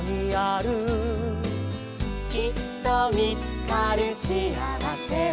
「きっとみつかるシアワセは」